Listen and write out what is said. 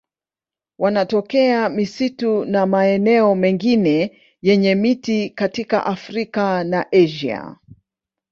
Wanatokea misitu na maeneo mengine yenye miti katika Afrika na Asia.